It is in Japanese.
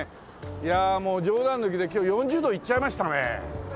いやあもう冗談抜きで今日４０度いっちゃいましたねえ。